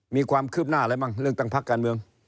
มีความคืบหน้าอะไรบ้างเรื่องตั้งพักการเมือง